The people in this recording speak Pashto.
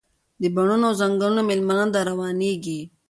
د بڼوڼو او ځنګلونو میلمنه ده، روانیږي